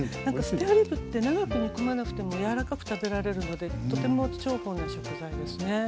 何かスペアリブって長く煮込まなくても柔らかく食べられるのでとても重宝な食材ですね。